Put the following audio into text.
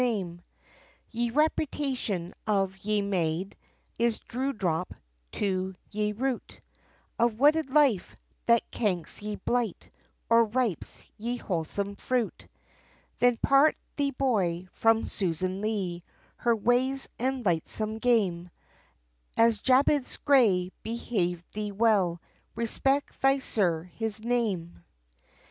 [Decoration] "Ye reputation of ye Mayde, Is dewdrop to ye root Of wedded life, that canks ye blight, Or ripes ye wholesome fruit, Then part thee boy, from Susan Lee, Her ways and lightsome game, As Jabez Gray, behave thee well, Respect thy Sire, his name!"